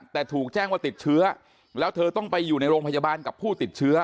แต่ถูกแจ้งว่าติดเชื้อแล้วเธอต้องไปอยู่ในโรงพยาบาลกับผู้ติดเชื้อ